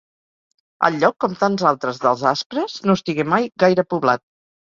El lloc, com tants altres dels Aspres, no estigué mai gaire poblat.